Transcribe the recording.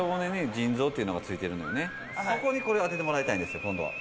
そこにこれを当ててもらいたいんですよ今度は。